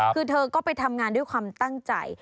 คือเธอก็ไปทำงานด้วยความตั้งใจ